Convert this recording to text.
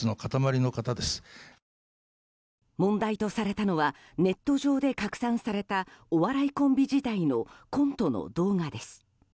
問題とされたのはネット上で拡散されたお笑いコンビ時代のコントの動画です。